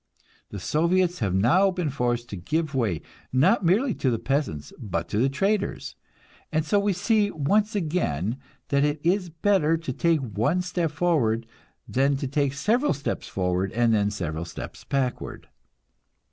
The Soviets have now been forced to give way, not merely to the peasants, but to the traders; and so we see once again that it is better to take one step forward than to take several steps forward and then several steps backward.